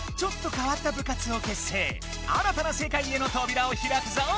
新たなせかいへのとびらをひらくぞ！